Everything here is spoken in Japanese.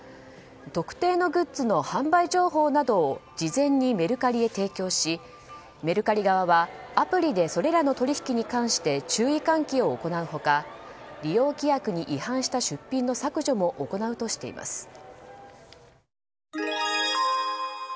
特定のグッズの販売情報などを事前にメルカリへ提供しメルカリ側はアプリでそれらの取引に関して注意喚起を行う他利用規約に違反した出品の削除も行うとしています。